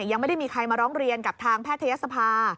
ยังไม่ได้มีใครมาร้องเรียนกับทางแพทยศภา